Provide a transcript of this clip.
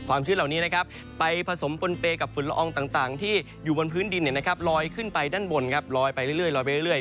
ความชื้นเหล่านี้นะครับไปผสมปนเปกับฝุ่นละอองต่างที่อยู่บนพื้นดินนะครับลอยขึ้นไปด้านบนครับลอยไปเรื่อย